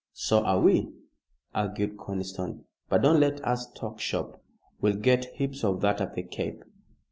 "So are we," argued Conniston; "but don't let us talk shop. We'll get heaps of that at the Cape.